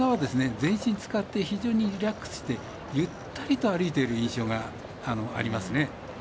全身使って非常にリラックスしてゆったりと歩いている印象がありますね。